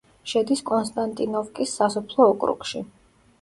შედის კონსტანტინოვკის სასოფლო ოკრუგში.